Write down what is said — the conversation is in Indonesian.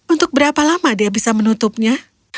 untuk berapa lama dia bisa menutupnya